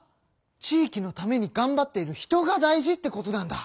地域のためにがんばっている人が大事ってことなんだ！